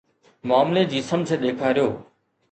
معاملي جي سمجھ ڏيکاريو.